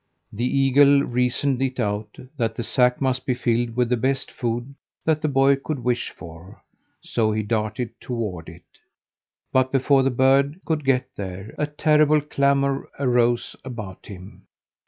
The eagle reasoned it out that the sack must be filled with the best food that the boy could wish for, so he darted toward it. But before the bird could get there a terrible clamour arose about him.